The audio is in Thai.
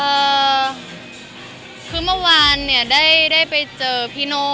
เอ่อคือเมื่อวานเนี่ยได้ได้ไปเจอพี่โน่